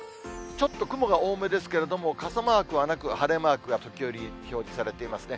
ちょっと雲が多めですけれども、傘マークはなく、晴れマークが時折、表示されていますね。